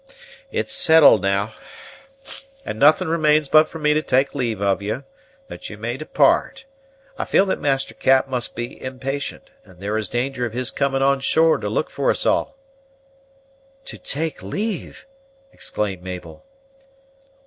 It's settled now, and nothing remains but for me to take leave of you, that you may depart; I feel that Master Cap must be impatient, and there is danger of his coming on shore to look for us all." "To take leave!" exclaimed Mabel.